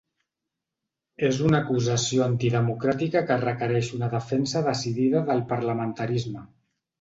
És una acusació antidemocràtica que requereix una defensa decidida del parlamentarisme.